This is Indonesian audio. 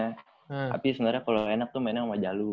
tapi sebenernya kalau enak tuh mainnya sama jalu